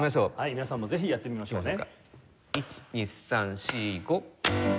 皆さんもぜひやってみましょうね。